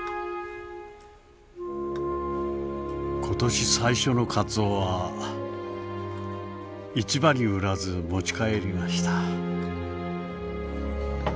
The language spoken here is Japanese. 今年最初のカツオは市場に売らず持ち帰りました。